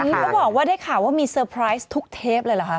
เขาบอกว่าได้ข่าวว่ามีเซอร์ไพรส์ทุกเทปเลยเหรอคะ